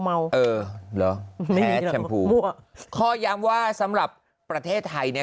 เมาเออเหรอแม้แชมพูมั่วข้อย้ำว่าสำหรับประเทศไทยเนี่ย